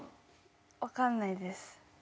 分かんないです。